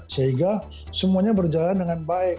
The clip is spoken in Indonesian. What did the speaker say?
sehingga semuanya berjalan dengan baik